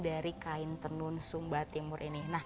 dari kain tenun sumba timur ini